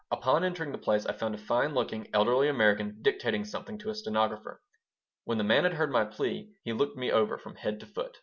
Upon entering the place I found a fine looking elderly American dictating something to a stenographer. When the man had heard my plea be looked me over from head to foot.